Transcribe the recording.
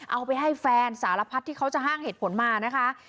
เอาไปให้แฟนสารพัดที่เขาจะห้างเหตุผลมานะคะ